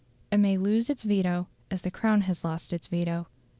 It may lose its veto as the Crown has lost its veto.